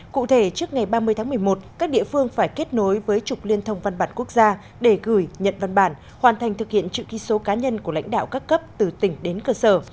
cụ thể trước ngày ba mươi tháng một mươi một các địa phương phải kết nối với trục liên thông văn bản quốc gia để gửi nhận văn bản hoàn thành thực hiện chữ ký số cá nhân của lãnh đạo các cấp từ tỉnh đến cơ sở